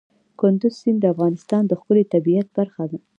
کندز سیند د افغانستان د ښکلي طبیعت برخه ده.